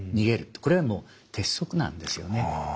これはもう鉄則なんですよね。